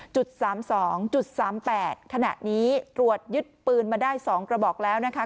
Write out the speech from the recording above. ๓๒๓๘ขณะนี้ตรวจยึดปืนมาได้๒กระบอกแล้วนะคะ